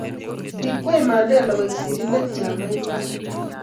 keekwei Mandela koek sirindetab chamaitab